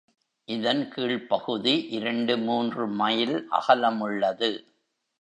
இதன் கீழ்ப் பகுதி இரண்டு மூன்று மைல் அகலமுள்ளது.